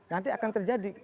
nanti akan terjadi